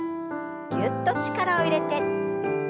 ぎゅっと力を入れて。